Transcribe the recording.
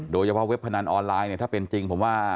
เว็บพนันออนไลน์เนี่ยถ้าเป็นจริงผมว่า